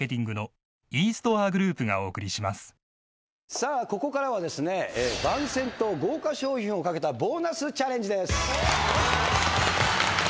さあここからはですね番宣と豪華賞品を懸けたボーナスチャレンジです。